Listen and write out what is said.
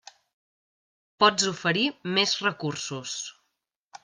Pots oferir més recursos.